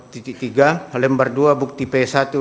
titik tiga lembar dua bukti p satu